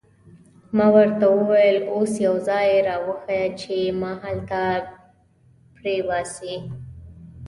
ما ورته وویل: اوس یو ځای را وښیه چې ما هلته پرېباسي.